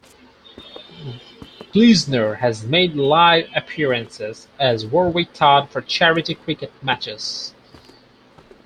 Gleisner has made live appearances as Warwick Todd for charity cricket matches.